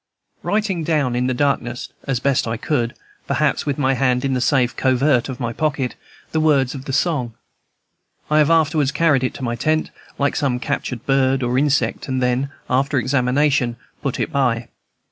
Writing down in the darkness, as I best could, perhaps with my hand in the safe covert of my pocket, the words of the song, I have afterwards carried it to my tent, like some captured bird or insect, and then, after examination, put it by.